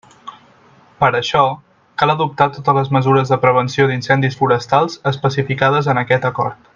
Per això, cal adoptar totes les mesures de prevenció d'incendis forestals especificades en aquest Acord.